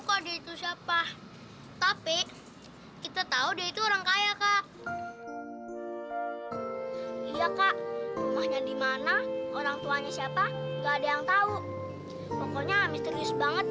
kalau sekarang ada kejadian kayak gitu lagi gimana